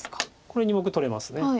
これは２目取れます。